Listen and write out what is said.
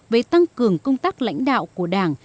với tăng cường công tác lãnh đạo của đảng